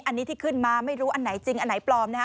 อันนี้ที่ขึ้นมาไม่รู้อันไหนจริงอันไหนปลอมนะฮะ